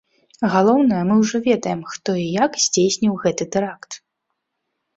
Галоўнае, мы ўжо ведаем, хто і як здзейсніў гэты тэракт.